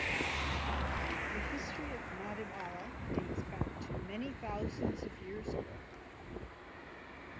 The history of Madiwala dates back to many thousands of years ago.